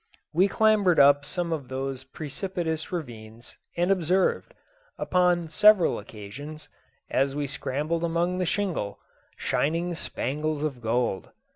We clambered up some of those precipitous ravines, and observed, upon several occasions, as we scrambled among the shingle, shining spangles of gold.